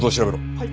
はい！